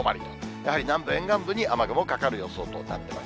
やはり、南部、沿岸部に雨雲かかる予想となっています。